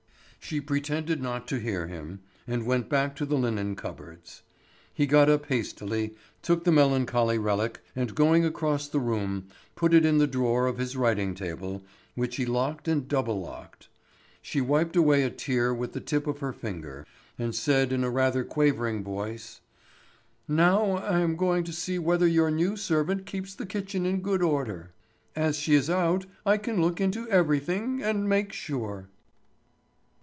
She pretended not to hear him, and went back to the linen cupboards. He got up hastily, took the melancholy relic, and going across the room, put it in the drawer of his writing table, which he locked and double locked. She wiped away a tear with the tip of her finger, and said in a rather quavering voice: "Now I am going to see whether your new servant keeps the kitchen in good order. As she is out I can look into everything and make sure."